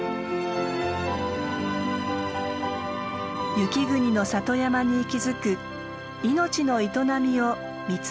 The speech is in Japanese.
雪国の里山に息づく命の営みを見つめます。